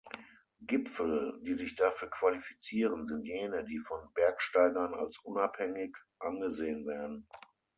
Gipfel, die sich dafür qualifizieren, sind jene, die von Bergsteigern als unabhängig angesehen werden.